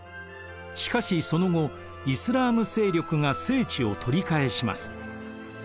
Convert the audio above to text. しかしその後イスラーム勢力が聖地を取り返します。